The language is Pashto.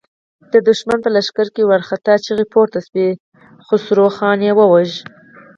د دښمن په لښکر کې وارخطا چيغې پورته شوې: خسرو خان يې وواژه!